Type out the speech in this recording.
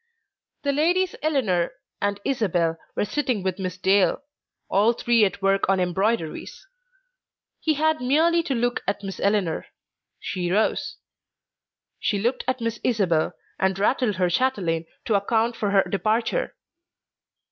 The ladies Eleanor and Isabel were sitting with Miss Dale, all three at work on embroideries. He had merely to look at Miss Eleanor. She rose. She looked at Miss Isabel, and rattled her chatelaine to account for her departure.